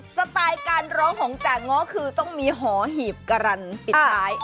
สไตล์การร้องของจาง้อคือต้องมีหอหีบการันปิดท้าย